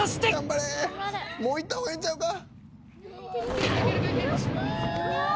もう行った方がええんちゃうか？